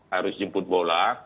harus jemput bola